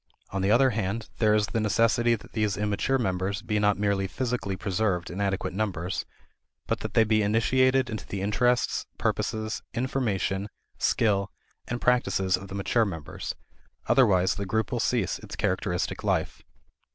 On the other hand, there is the necessity that these immature members be not merely physically preserved in adequate numbers, but that they be initiated into the interests, purposes, information, skill, and practices of the mature members: otherwise the group will cease its characteristic life.